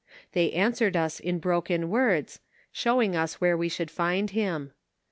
They answered us in broken words," showing us where we should find him.